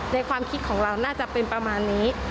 ความคิดของเราน่าจะเป็นประมาณนี้